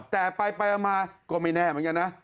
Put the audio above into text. แต่ไปมาก็ไม่แน่เหมือนกันนะ